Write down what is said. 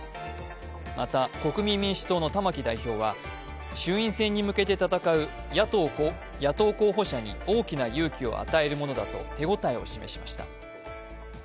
また、国民民主党の玉木代表は、衆院選に向けて戦う野党候補者に大きな勇気を与えるものだと手応えを示しました。